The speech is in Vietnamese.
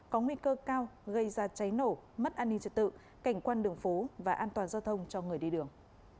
có nguy cơ cao gây ra cháy nổ mất an ninh trật tự cảnh quan đường phố và an toàn giao thông cho người đi đường